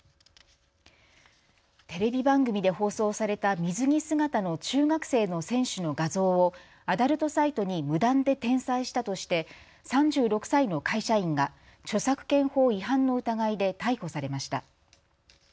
テレビ番組で放送された水着姿の中学生の選手の画像をアダルトサイトに無断で転載したとして３６歳の会社員が著作権法違反の疑いで逮捕されました。